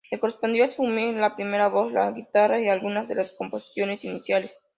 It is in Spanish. Le correspondió asumir la primera voz, la guitarra y algunas de las composiciones iniciales.